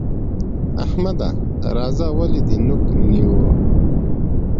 احمده! راځه ولې دې نوک نيو؟